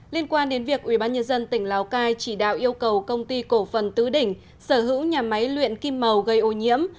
liên quan đến việc ubnd tỉnh lào cai chỉ đạo yêu cầu công ty cổ phần tứ đỉnh sở hữu nhà máy luyện kim màu gây ô nhiễm